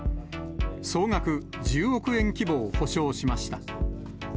総額１０億円規模を補償しました。